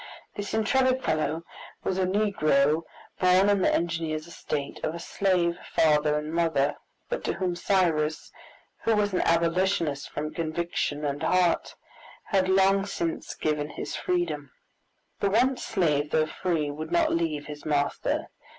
This intrepid fellow was a Negro born on the engineer's estate, of a slave father and mother, but to whom Cyrus, who was an Abolitionist from conviction and heart, had long since given his freedom. The once slave, though free, would not leave his master.